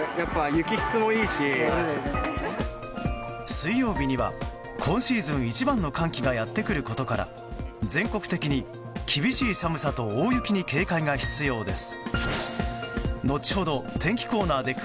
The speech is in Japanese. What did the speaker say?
水曜日には今シーズン一番の寒気がやってくることから全国的に厳しい寒さと大雪に警戒が必要です。